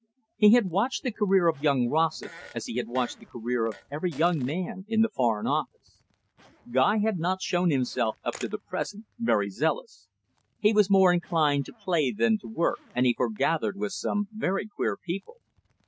He had watched the career of young Rossett, as he had watched the career of every young man in the Foreign Office. Guy had not shown himself, up to the present, very zealous. He was more inclined to play than to work, and he foregathered with some very queer people.